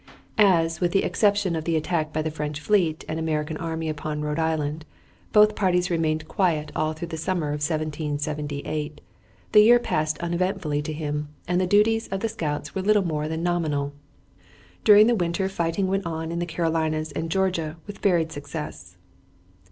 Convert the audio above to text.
As, with the exception of the attack by the French fleet and American army upon Rhode Island, both parties remained quiet all through the summer of 1778, the year passed uneventfully to him, and the duties of the scouts were little more than nominal. During the winter fighting went on in the Carolinas and Georgia with varied success.